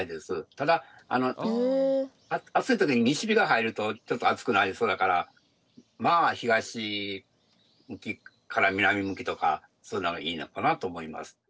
ただ暑い時に西日が入るとちょっと暑くなりそうだからまあ東向きから南向きとかそういうのがいいのかなと思います。